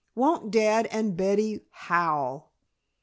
Won't dad and Betty howl?"